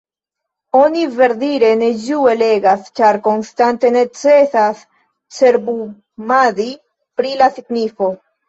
Oni, verdire, ne ĝue legas, ĉar konstante necesas cerbumadi pri la signifo.